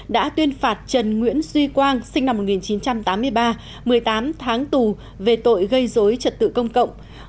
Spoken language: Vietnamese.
đã tuyên phạt trần nguyễn duy quang sinh năm một nghìn chín trăm tám mươi ba một mươi tám tháng tù về tội gây dối trật tự công cộng